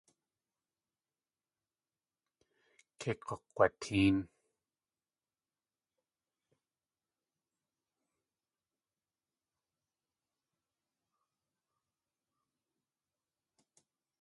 Kei k̲ukg̲watéen.